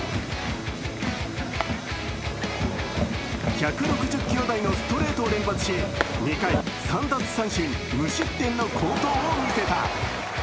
１６１キロ台のストレートを連発し、２回３奪三振無失点の好投を見せた。